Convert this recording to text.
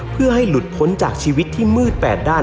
เพื่อให้หลุดพ้นจากชีวิตที่มืด๘ด้าน